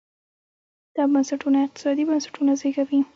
دا بنسټونه اقتصادي بنسټونه زېږوي.